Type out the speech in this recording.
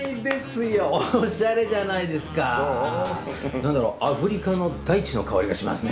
何だろうアフリカの大地の香りがしますね。